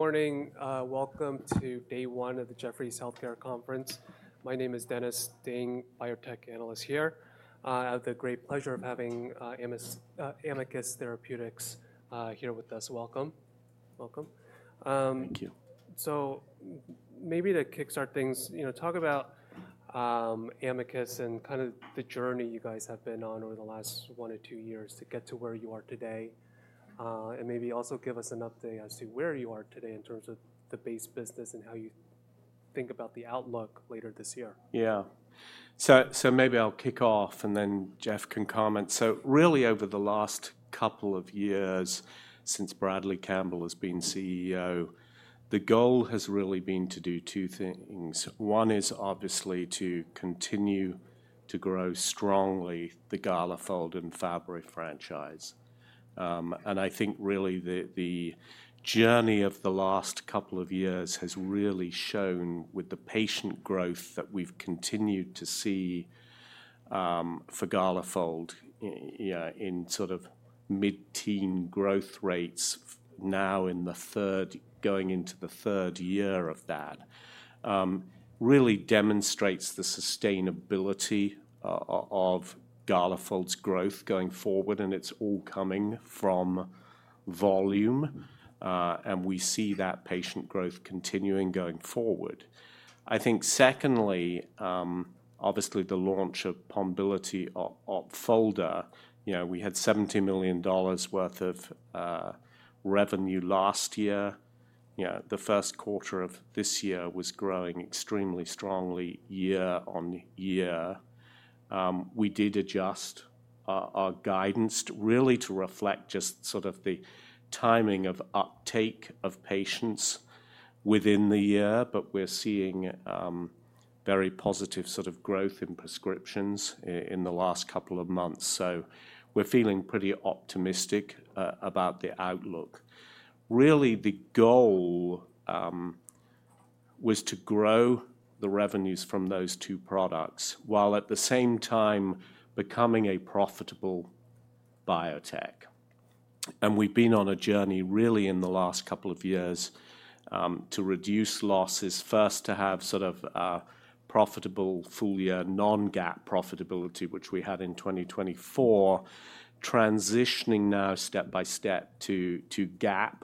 Morning. Welcome to day one of the Jefferies Healthcare Conference. My name is Dennis Ding, Biotech Analyst here. I have the great pleasure of having Amicus Therapeutics here with us. Welcome. Welcome. Thank you. Maybe to kickstart things, you know, talk about Amicus and kind of the journey you guys have been on over the last one or two years to get to where you are today. Maybe also give us an update as to where you are today in terms of the base business and how you think about the outlook later this year. Yeah. Maybe I'll kick off and then Jeff can comment. Really over the last couple of years since Bradley Campbell has been CEO, the goal has really been to do two things. One is obviously to continue to grow strongly the Galafold and Fabry franchise. I think really the journey of the last couple of years has really shown with the patient growth that we've continued to see for Galafold in sort of mid-teen growth rates now in the third, going into the third year of that, really demonstrates the sustainability of Galafold's growth going forward. It's all coming from volume. We see that patient growth continuing going forward. I think secondly, obviously the launch of POMBILITI OPFOLDA, you know, we had $70 million worth of revenue last year. The first quarter of this year was growing extremely strongly year on year. We did adjust our guidance really to reflect just sort of the timing of uptake of patients within the year. We are seeing very positive sort of growth in prescriptions in the last couple of months. We are feeling pretty optimistic about the outlook. Really the goal was to grow the revenues from those two products while at the same time becoming a profitable biotech. We have been on a journey really in the last couple of years to reduce losses, first to have sort of profitable full year non-GAAP profitability, which we had in 2024, transitioning now step by step to GAAP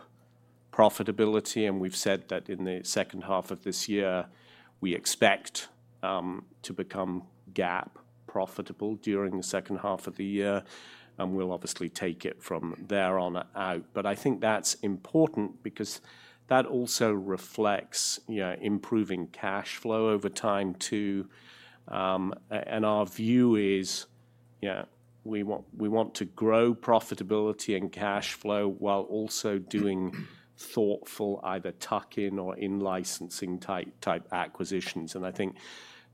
profitability. We have said that in the second half of this year, we expect to become GAAP profitable during the second half of the year. We will obviously take it from there on out. I think that's important because that also reflects, you know, improving cash flow over time too. Our view is, you know, we want to grow profitability and cash flow while also doing thoughtful either tuck-in or in-licensing type acquisitions. I think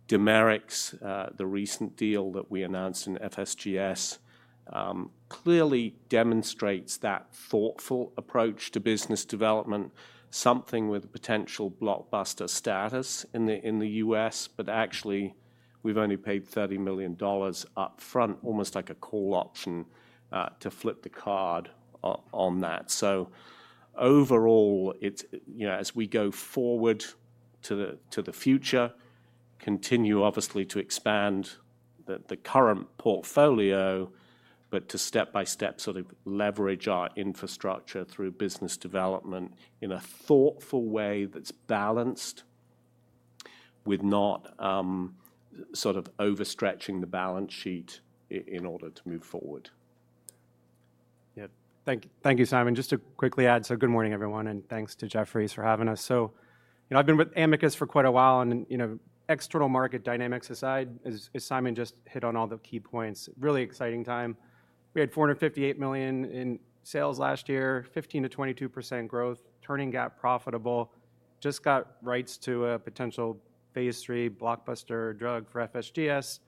Dimerix, the recent deal that we announced in FSGS, clearly demonstrates that thoughtful approach to business development, something with potential blockbuster status in the U.S.. Actually, we've only paid $30 million upfront, almost like a call option to flip the card on that. Overall, it's, you know, as we go forward to the future, continue obviously to expand the current portfolio, but to step by step sort of leverage our infrastructure through business development in a thoughtful way that's balanced with not sort of overstretching the balance sheet in order to move forward. Yeah. Thank you, Simon. Just to quickly add, good morning everyone. And thanks to Jefferies for having us. You know, I've been with Amicus for quite a while. You know, external market dynamics aside, as Simon just hit on all the key points, really exciting time. We had $458 million in sales last year, 15%-22% growth, turning GAAP profitable, just got rights to a potential phase three blockbuster drug for FSGS,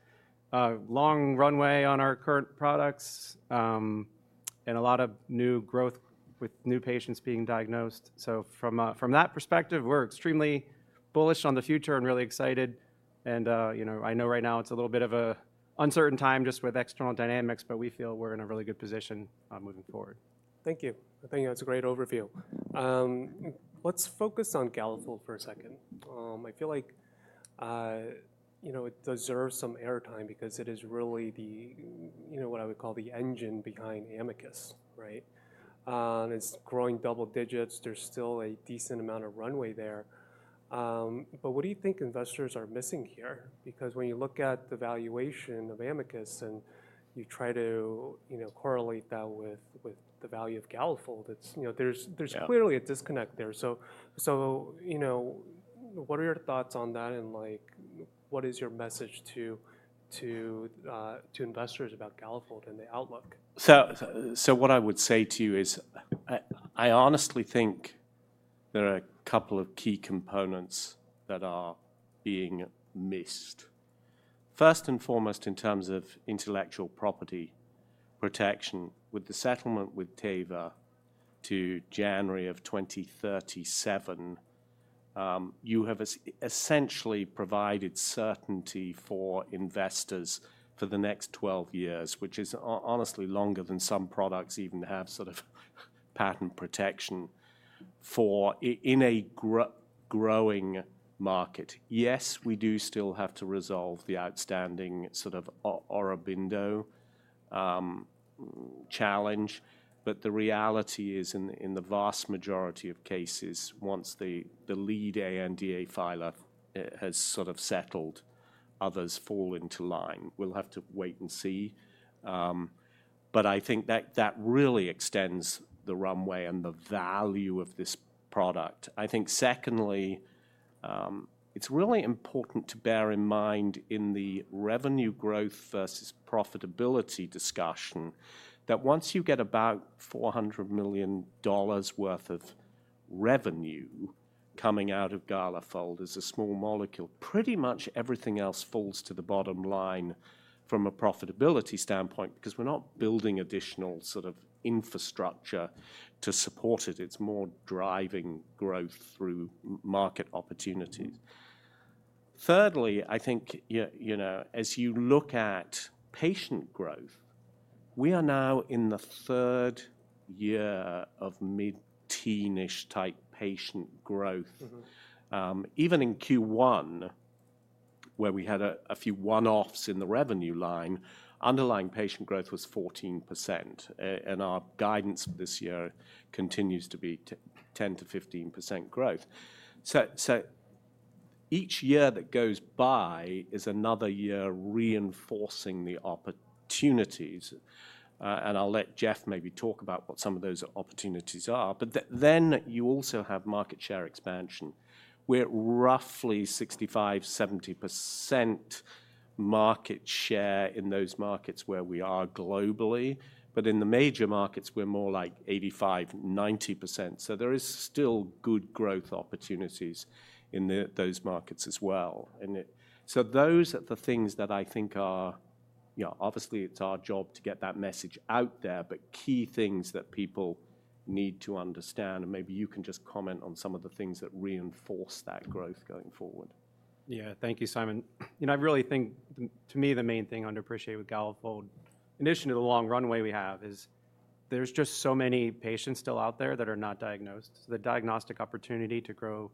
long runway on our current products, and a lot of new growth with new patients being diagnosed. From that perspective, we're extremely bullish on the future and really excited. You know, I know right now it's a little bit of an uncertain time just with external dynamics, but we feel we're in a really good position moving forward. Thank you. I think that's a great overview. Let's focus on Galafold for a second. I feel like, you know, it deserves some airtime because it is really the, you know, what I would call the engine behind Amicus, right? And it's growing double digits. There's still a decent amount of runway there. What do you think investors are missing here? Because when you look at the valuation of Amicus and you try to, you know, correlate that with the value of Galafold, it's, you know, there's clearly a disconnect there. What are your thoughts on that? Like, what is your message to investors about Galafold and the outlook? What I would say to you is I honestly think there are a couple of key components that are being missed. First and foremost, in terms of intellectual property protection, with the settlement with Teva to January of 2037, you have essentially provided certainty for investors for the next 12 years, which is honestly longer than some products even have sort of patent protection for in a growing market. Yes, we do still have to resolve the outstanding sort of Aurobindo challenge. The reality is in the vast majority of cases, once the lead ANDA filer has sort of settled, others fall into line. We'll have to wait and see. I think that really extends the runway and the value of this product. I think secondly, it's really important to bear in mind in the revenue growth versus profitability discussion that once you get about $400 million worth of revenue coming out of Galafold as a small molecule, pretty much everything else falls to the bottom line from a profitability standpoint because we're not building additional sort of infrastructure to support it. It's more driving growth through market opportunities. Thirdly, I think, you know, as you look at patient growth, we are now in the third year of mid-teenish type patient growth. Even in Q1, where we had a few one-offs in the revenue line, underlying patient growth was 14%. Our guidance this year continues to be 10%-15% growth. Each year that goes by is another year reinforcing the opportunities. I'll let Jeff maybe talk about what some of those opportunities are. You also have market share expansion. We're roughly 65%-70% market share in those markets where we are globally. In the major markets, we're more like 85%-90%. There is still good growth opportunities in those markets as well. Those are the things that I think are, you know, obviously it's our job to get that message out there, but key things that people need to understand. Maybe you can just comment on some of the things that reinforce that growth going forward. Yeah. Thank you, Simon. You know, I really think to me the main thing I'd appreciate with Galafold, in addition to the long runway we have, is there's just so many patients still out there that are not diagnosed. The diagnostic opportunity to grow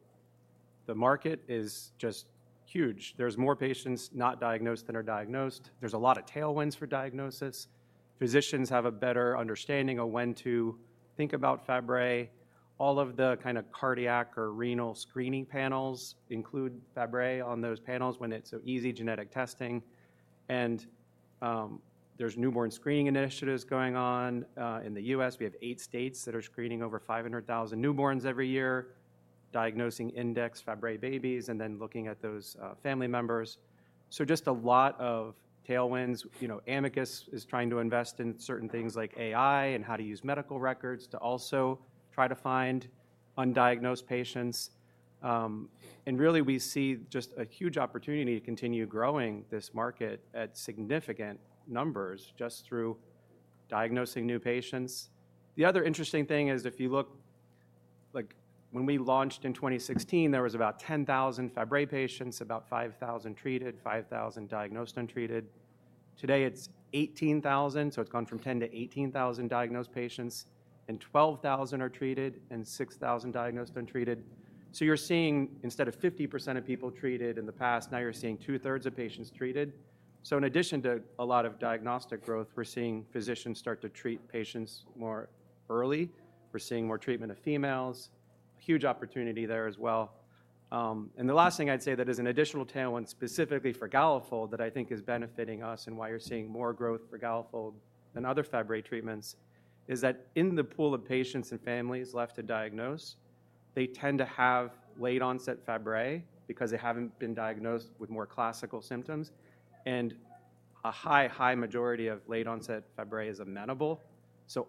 the market is just huge. There's more patients not diagnosed than are diagnosed. There's a lot of tailwinds for diagnosis. Physicians have a better understanding of when to think about Fabry. All of the kind of cardiac or renal screening panels include Fabry on those panels when it's so easy genetic testing. There's newborn screening initiatives going on in the U.S. We have eight states that are screening over 500,000 newborns every year, diagnosing index Fabry babies and then looking at those family members. Just a lot of tailwinds. You know, Amicus is trying to invest in certain things like AI and how to use medical records to also try to find undiagnosed patients. Really we see just a huge opportunity to continue growing this market at significant numbers just through diagnosing new patients. The other interesting thing is if you look, like when we launched in 2016, there were about 10,000 Fabry patients, about 5,000 treated, 5,000 diagnosed and treated. Today it's 18,000. It's gone from 10,000 to 18,000 diagnosed patients and 12,000 are treated and 6,000 diagnosed and treated. You're seeing instead of 50% of people treated in the past, now you're seeing two-thirds of patients treated. In addition to a lot of diagnostic growth, we're seeing physicians start to treat patients more early. We're seeing more treatment of females. Huge opportunity there as well. The last thing I'd say that is an additional tailwind specifically for Galafold that I think is benefiting us and why you're seeing more growth for Galafold than other Fabry treatments is that in the pool of patients and families left to diagnose, they tend to have late onset Fabry because they haven't been diagnosed with more classical symptoms. A high, high majority of late onset Fabry is amenable.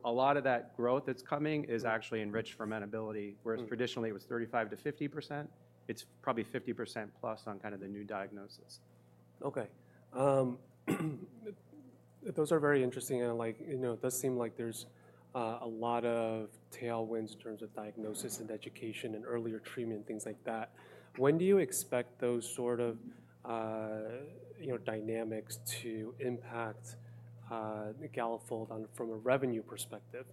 A lot of that growth that's coming is actually enriched for amenability, whereas traditionally it was 35%-50%. It's probably 50% plus on kind of the new diagnosis. Okay. Those are very interesting. Like, you know, it does seem like there's a lot of tailwinds in terms of diagnosis and education and earlier treatment and things like that. When do you expect those sort of, you know, dynamics to impact Galafold from a revenue perspective?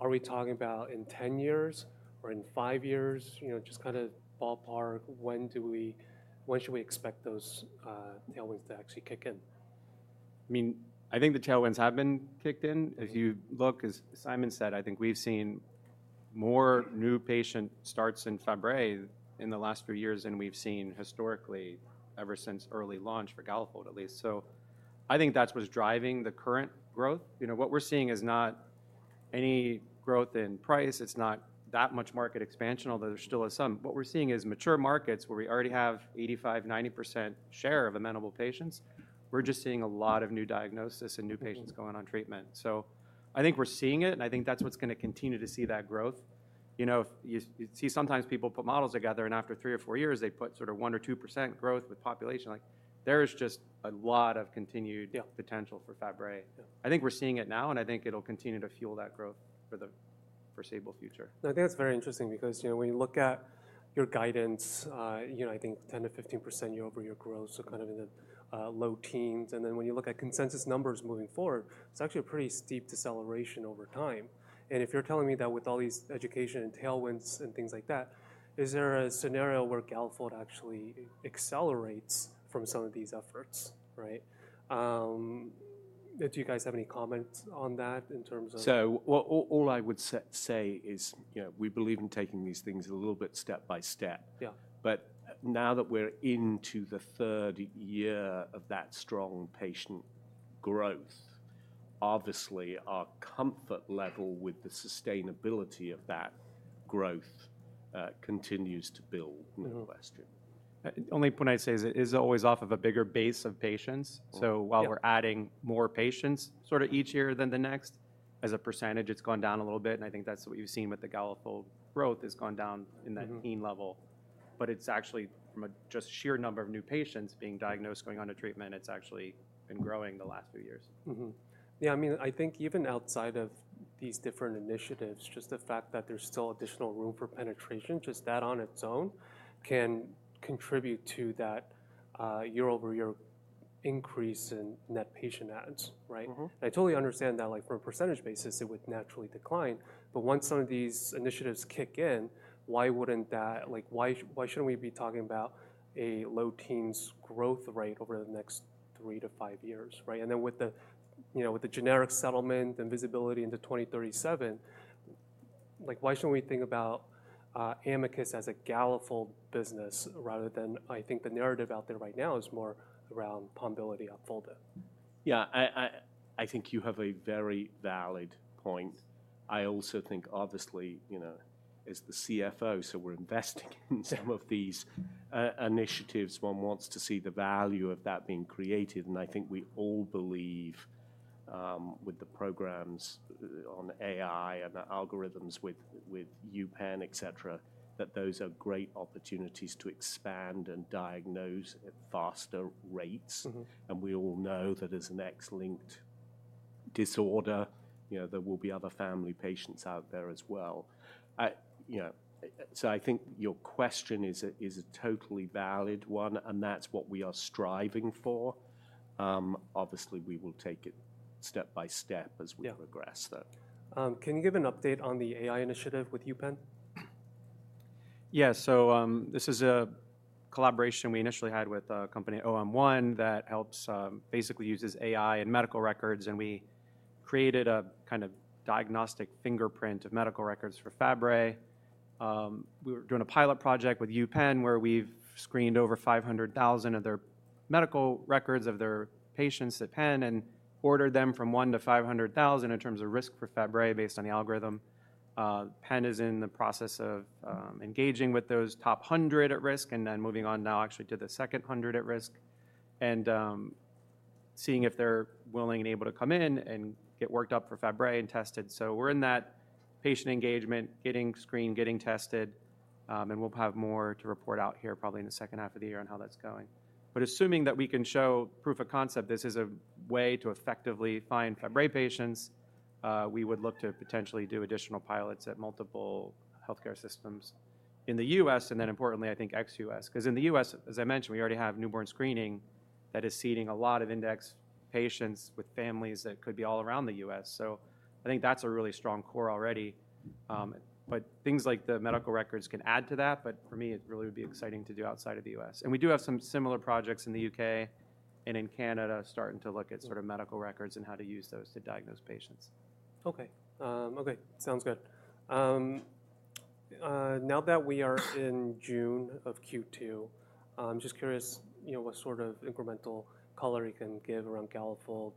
Are we talking about in 10 years or in five years, you know, just kind of ballpark, when do we, when should we expect those tailwinds to actually kick in? I mean, I think the tailwinds have been kicked in. If you look, as Simon said, I think we've seen more new patient starts in Fabry in the last few years than we've seen historically ever since early launch for Galafold at least. I think that's what's driving the current growth. You know, what we're seeing is not any growth in price. It's not that much market expansion, although there still is some. What we're seeing is mature markets where we already have 85-90% share of amenable patients. We're just seeing a lot of new diagnosis and new patients going on treatment. I think we're seeing it. I think that's what's going to continue to see that growth. You know, you see sometimes people put models together and after three or four years they put sort of 1% or 2% growth with population. Like there is just a lot of continued potential for Fabry. I think we're seeing it now. I think it'll continue to fuel that growth for the foreseeable future. I think that's very interesting because, you know, when you look at your guidance, you know, I think 10%-15% year-over-year growth, so kind of in the low teens. And then when you look at consensus numbers moving forward, it's actually a pretty steep deceleration over time. If you're telling me that with all these education and tailwinds and things like that, is there a scenario where Galafold actually accelerates from some of these efforts, right? Do you guys have any comments on that in terms of... All I would say is, you know, we believe in taking these things a little bit step by step. Yeah. But now that we're into the third year of that strong patient growth, obviously our comfort level with the sustainability of that growth continues to build, no question. The only point I'd say is it is always off of a bigger base of patients. So while we're adding more patients sort of each year than the next, as a percentage, it's gone down a little bit. And I think that's what you've seen with the Galafold growth has gone down in that mean level. But it's actually from a just sheer number of new patients being diagnosed, going on to treatment, it's actually been growing the last few years. Yeah. I mean, I think even outside of these different initiatives, just the fact that there's still additional room for penetration, just that on its own can contribute to that year over year increase in net patient adds, right? And I totally understand that like from a percentage basis, it would naturally decline. Once some of these initiatives kick in, why wouldn't that, like why shouldn't we be talking about a low teens growth rate over the next three to five years, right? And then with the, you know, with the generic settlement and visibility into 2037, like why shouldn't we think about Amicus as a Galafold business rather than I think the narrative out there right now is more around POMBILITI OPFOLDA. Yeah. I think you have a very valid point. I also think obviously, you know, as the CFO, we are investing in some of these initiatives. One wants to see the value of that being created. I think we all believe with the programs on AI and the algorithms with UPenn, et cetera, that those are great opportunities to expand and diagnose at faster rates. We all know that as an X-linked disorder, you know, there will be other family patients out there as well. You know, I think your question is a totally valid one. That is what we are striving for. Obviously, we will take it step by step as we progress. Can you give an update on the AI initiative with UPenn? Yeah. This is a collaboration we initially had with a company, OM1, that basically uses AI and medical records. We created a kind of diagnostic fingerprint of medical records for Fabry. We were doing a pilot project with UPenn where we've screened over 500,000 of their medical records of their patients at Penn and ordered them from 1 to 500,000 in terms of risk for Fabry based on the algorithm. Penn is in the process of engaging with those top 100 at risk and then moving on now actually to the second 100 at risk and seeing if they're willing and able to come in and get worked up for Fabry and tested. We're in that patient engagement, getting screened, getting tested. We'll have more to report out here probably in the second half of the year on how that's going. Assuming that we can show proof of concept, this is a way to effectively find Fabry patients. We would look to potentially do additional pilots at multiple healthcare systems in the U.S. and then importantly, I think ex-U.S. In the U.S., as I mentioned, we already have newborn screening that is seeding a lot of index patients with families that could be all around the U.S. I think that's a really strong core already. Things like the medical records can add to that. For me, it really would be exciting to do outside of the U.S. We do have some similar projects in the U.K. and in Canada starting to look at sort of medical records and how to use those to diagnose patients. Okay. Okay. Sounds good. Now that we are in June of Q2, I'm just curious, you know, what sort of incremental color you can give around Galafold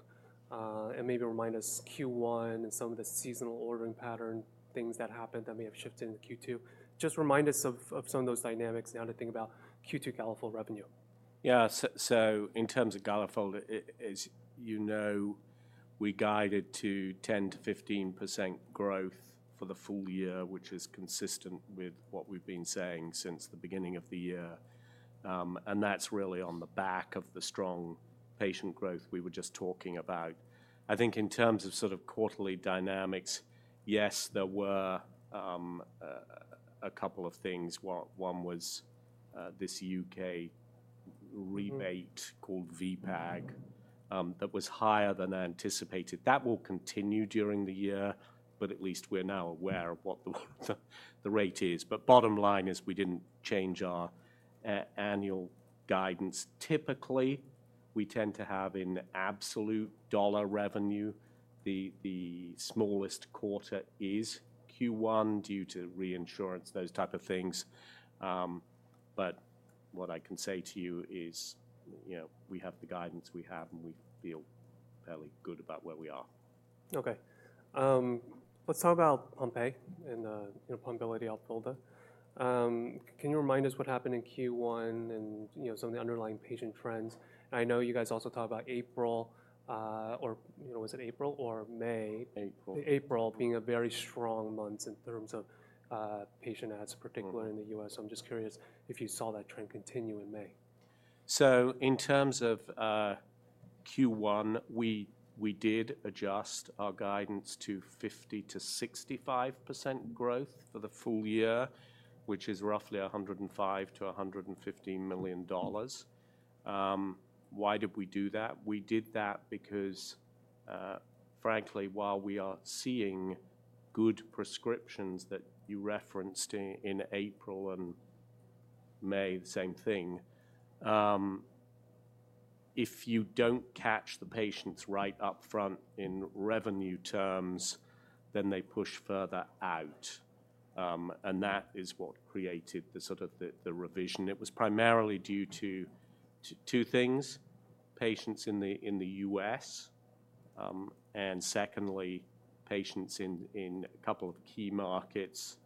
and maybe remind us Q1 and some of the seasonal ordering pattern things that happened that may have shifted in Q2. Just remind us of some of those dynamics now to think about Q2 Galafold revenue. Yeah. So in terms of Galafold, as you know, we guided to 10%-15% growth for the full year, which is consistent with what we've been saying since the beginning of the year. And that's really on the back of the strong patient growth we were just talking about. I think in terms of sort of quarterly dynamics, yes, there were a couple of things. One was this U.K. rebate called VPAG that was higher than anticipated. That will continue during the year, but at least we're now aware of what the rate is. But bottom line is we didn't change our annual guidance. Typically, we tend to have in absolute dollar revenue, the smallest quarter is Q1 due to reinsurance, those type of things. What I can say to you is, you know, we have the guidance we have and we feel fairly good about where we are. Okay. Let's talk about Pompe and, you know, POMBILITI OPFOLDA. Can you remind us what happened in Q1 and, you know, some of the underlying patient trends? And I know you guys also talked about April or, you know, was it April or May? April. April being a very strong month in terms of patient adds, particularly in the U.S. I'm just curious if you saw that trend continue in May. In terms of Q1, we did adjust our guidance to 50%-65% growth for the full year, which is roughly $105 million-$115 million. Why did we do that? We did that because, frankly, while we are seeing good prescriptions that you referenced in April and May, the same thing, if you do not catch the patients right up front in revenue terms, then they push further out. That is what created the sort of the revision. It was primarily due to two things: patients in the U.S. and, secondly, patients in a couple of key markets,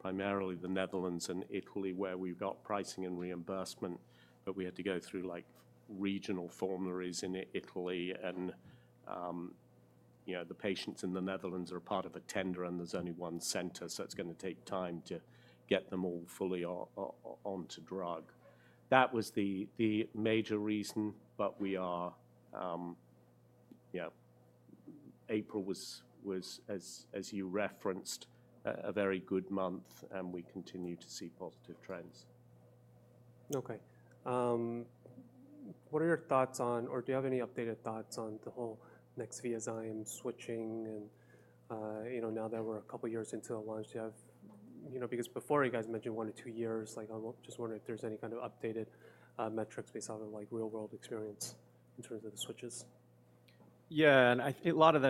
primarily the Netherlands and Italy, where we have got pricing and reimbursement, but we had to go through like regional formularies in Italy. You know, the patients in the Netherlands are part of a tender and there is only one center. It's going to take time to get them all fully onto drug. That was the major reason. We are, you know, April was, as you referenced, a very good month and we continue to see positive trends. Okay. What are your thoughts on, or do you have any updated thoughts on the whole NEXVIAZYME switching? You know, now that we're a couple of years into the launch, do you have, you know, because before you guys mentioned one or two years, like I just wonder if there's any kind of updated metrics based off of like real-world experience in terms of the switches. Yeah. I think a lot of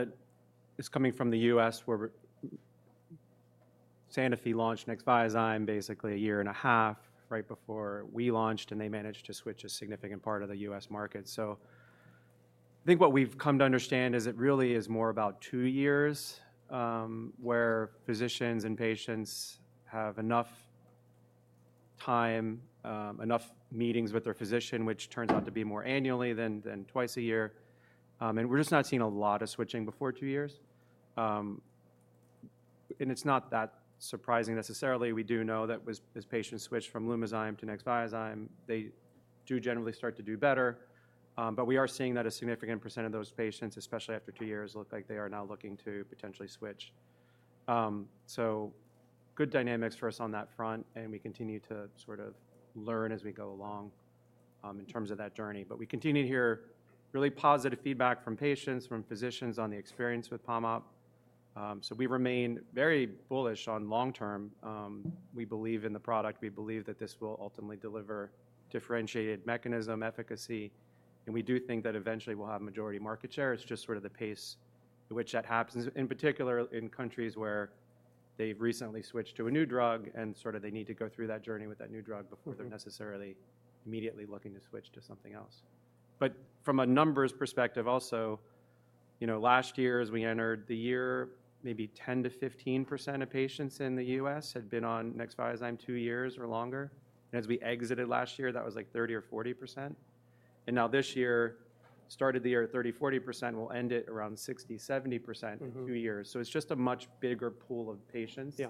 that is coming from the U.S. where Sanofi launched NEXVIAZYME basically a year and a half right before we launched and they managed to switch a significant part of the U.S. market. I think what we've come to understand is it really is more about two years where physicians and patients have enough time, enough meetings with their physician, which turns out to be more annually than twice a year. We're just not seeing a lot of switching before two years. It's not that surprising necessarily. We do know that as patients switch from Lumizyme to NEXVIAZYME, they do generally start to do better. We are seeing that a significant % of those patients, especially after two years, look like they are now looking to potentially switch. Good dynamics for us on that front. We continue to sort of learn as we go along in terms of that journey. We continue to hear really positive feedback from patients, from physicians on the experience with POM OP. We remain very bullish on long term. We believe in the product. We believe that this will ultimately deliver differentiated mechanism efficacy. We do think that eventually we'll have majority market share. It's just sort of the pace at which that happens, in particular in countries where they've recently switched to a new drug and sort of they need to go through that journey with that new drug before they're necessarily immediately looking to switch to something else. From a numbers perspective also, you know, last year as we entered the year, maybe 10%-15% of patients in the U.S. had been on NEXVIAZYME two years or longer. As we exited last year, that was like 30% or 40%. Now this year, started the year at 30%-40%, we'll end it around 60%-70% in two years. It is just a much bigger pool of patients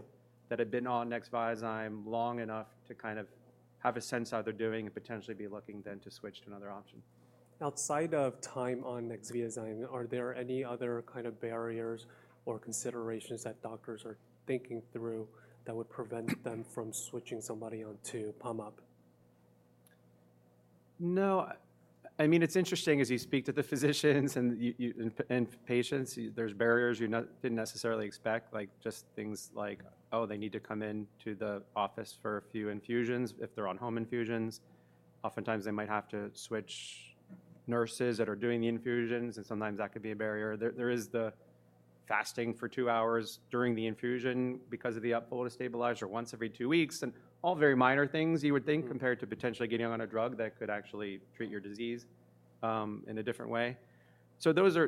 that had been on NEXVIAZYME long enough to kind of have a sense how they're doing and potentially be looking then to switch to another option. Outside of time on NEXVIAZYME, are there any other kind of barriers or considerations that doctors are thinking through that would prevent them from switching somebody onto POM OP? No. I mean, it's interesting as you speak to the physicians and patients, there's barriers you didn't necessarily expect, like just things like, oh, they need to come into the office for a few infusions if they're on home infusions. Oftentimes they might have to switch nurses that are doing the infusions. Sometimes that could be a barrier. There is the fasting for two hours during the infusion because of the OP stabilizer or once every two weeks. All very minor things you would think compared to potentially getting on a drug that could actually treat your disease in a different way. Those are,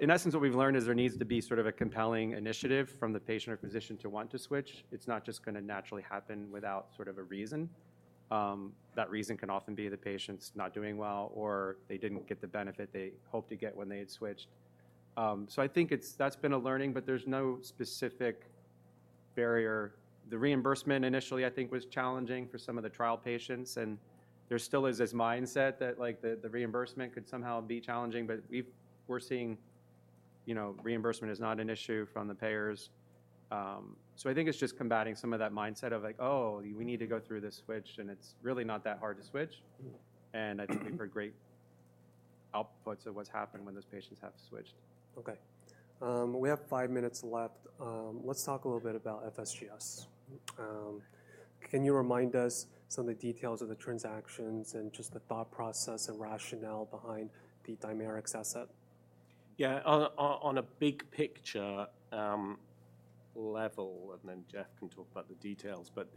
in essence, what we've learned is there needs to be sort of a compelling initiative from the patient or physician to want to switch. It's not just going to naturally happen without sort of a reason. That reason can often be the patient's not doing well or they didn't get the benefit they hoped to get when they had switched. I think it's, that's been a learning, but there's no specific barrier. The reimbursement initially I think was challenging for some of the trial patients. There still is this mindset that like the reimbursement could somehow be challenging. We're seeing, you know, reimbursement is not an issue from the payers. I think it's just combating some of that mindset of like, oh, we need to go through this switch and it's really not that hard to switch. I think we've heard great outputs of what's happened when those patients have switched. Okay. We have five minutes left. Let's talk a little bit about FSGS. Can you remind us some of the details of the transactions and just the thought process and rationale behind the Dimerix asset? Yeah. On a big picture level, and then Jeff can talk about the details, but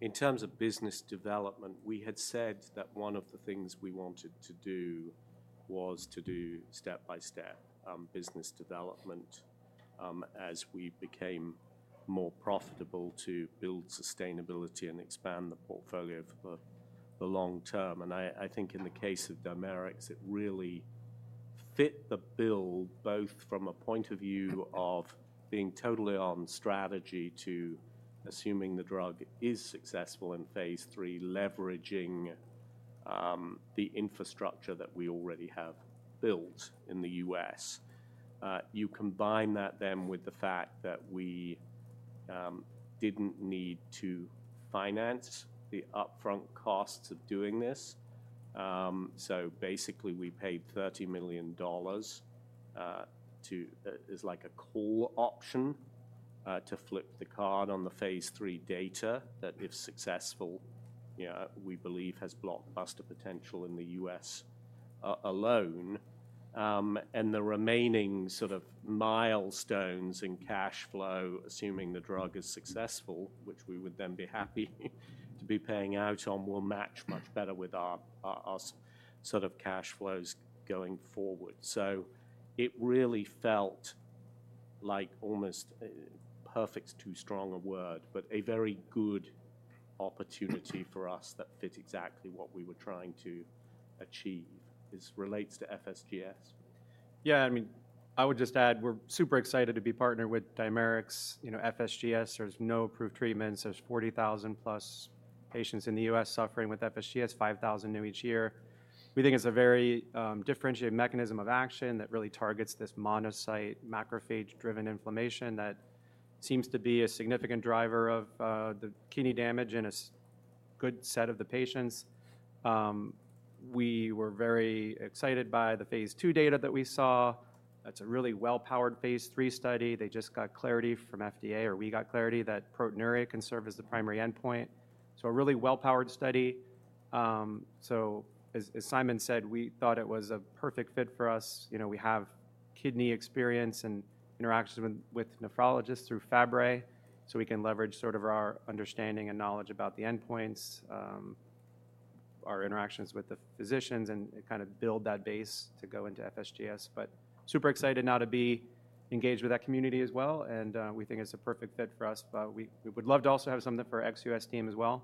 in terms of business development, we had said that one of the things we wanted to do was to do step by step business development as we became more profitable to build sustainability and expand the portfolio for the long term. I think in the case of Dimerix, it really fit the bill both from a point of view of being totally on strategy to assuming the drug is successful in phase three, leveraging the infrastructure that we already have built in the U.S.. You combine that then with the fact that we did not need to finance the upfront costs of doing this. Basically we paid $30 million to, is like a call option to flip the card on the phase three data that if successful, you know, we believe has blockbuster potential in the US alone. The remaining sort of milestones in cash flow, assuming the drug is successful, which we would then be happy to be paying out on, will match much better with our sort of cash flows going forward. It really felt like almost perfect's too strong a word, but a very good opportunity for us that fit exactly what we were trying to achieve as it relates to FSGS. Yeah. I mean, I would just add we're super excited to be partnered with Dimerix, you know, FSGS. There's no approved treatments. There are 40,000 plus patients in the U.S. suffering with FSGS, 5,000 new each year. We think it's a very differentiated mechanism of action that really targets this monocyte macrophage driven inflammation that seems to be a significant driver of the kidney damage in a good set of the patients. We were very excited by the phase two data that we saw. That's a really well-powered phase three study. They just got clarity from FDA, or we got clarity that proteinuria can serve as the primary endpoint. A really well-powered study. As Simon said, we thought it was a perfect fit for us. You know, we have kidney experience and interactions with nephrologists through Fabry. We can leverage sort of our understanding and knowledge about the endpoints, our interactions with the physicians and kind of build that base to go into FSGS. Super excited now to be engaged with that community as well. We think it's a perfect fit for us. We would love to also have something for our ex-U.S. team as well.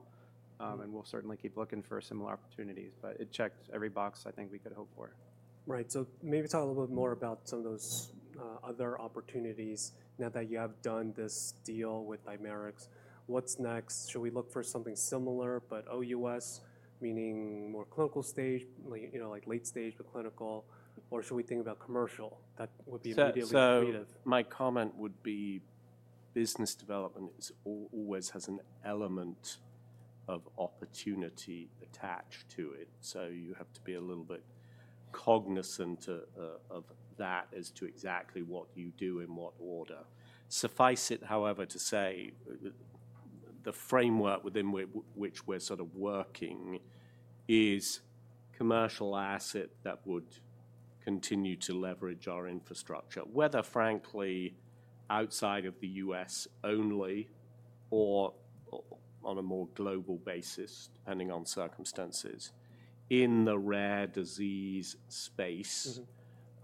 We'll certainly keep looking for similar opportunities. It checked every box I think we could hope for. Right. So maybe talk a little bit more about some of those other opportunities now that you have done this deal with Dimerix. What's next? Should we look for something similar, but OUS, meaning more clinical stage, you know, like late stage but clinical, or should we think about commercial? That would be immediately accretive. My comment would be business development always has an element of opportunity attached to it. You have to be a little bit cognizant of that as to exactly what you do in what order. Suffice it, however, to say the framework within which we're sort of working is commercial asset that would continue to leverage our infrastructure, whether frankly outside of the U.S. only or on a more global basis, depending on circumstances. In the rare disease space,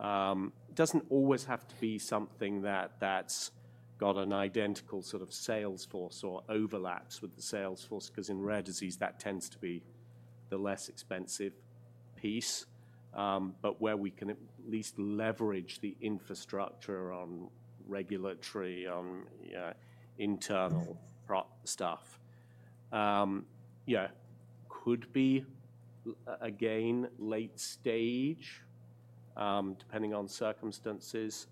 it does not always have to be something that's got an identical sort of sales force or overlaps with the sales force, because in rare disease that tends to be the less expensive piece. Where we can at least leverage the infrastructure on regulatory, on, you know, internal stuff, yeah, could be again late stage depending on circumstances.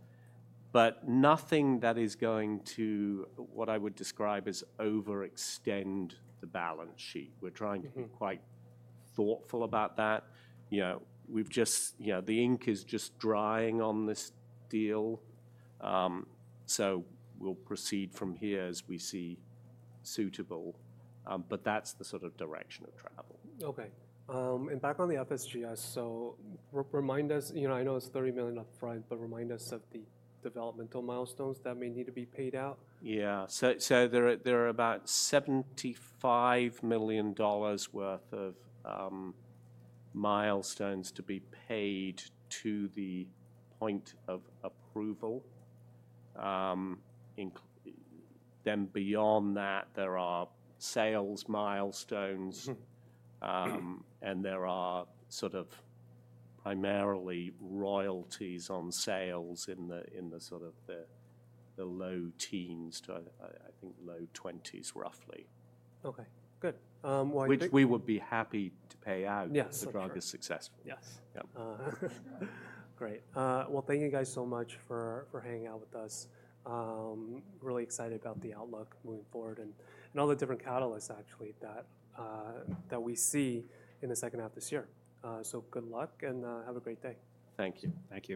Nothing that is going to what I would describe as overextend the balance sheet. We're trying to be quite thoughtful about that. You know, we've just, you know, the ink is just drying on this deal. We will proceed from here as we see suitable. That is the sort of direction of travel. Okay. Back on the FSGS, remind us, you know, I know it's $30 million up front, but remind us of the developmental milestones that may need to be paid out. Yeah. There are about $75 million worth of milestones to be paid to the point of approval. Then beyond that, there are sales milestones and there are sort of primarily royalties on sales in the sort of the low teens to, I think, low twenties roughly. Okay. Good. Which we would be happy to pay out if the drug is successful. Yes. Great. Thank you guys so much for hanging out with us. Really excited about the outlook moving forward and all the different catalysts actually that we see in the second half this year. Good luck and have a great day. Thank you. Thank you.